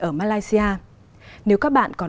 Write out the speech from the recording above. ở malaysia nếu các bạn còn